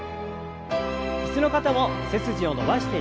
椅子の方も背筋を伸ばして上体を前に。